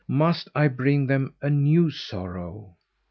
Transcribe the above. "Must I bring them a new sorrow?"